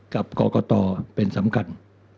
กับกรกตเป็นสำคัญ